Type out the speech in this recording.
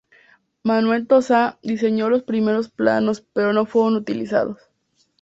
Manuel Tolsá diseñó los primeros planos pero no fueron utilizados.